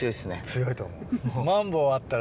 強いと思う。